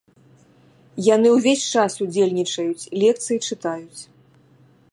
Яны ўвесь час удзельнічаюць, лекцыі чытаюць.